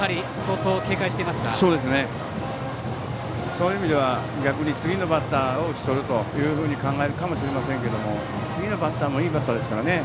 そういう意味では逆に次のバッターを打ち取るというふうに考えるかもしれませんけれども次のバッターもいいバッターですからね。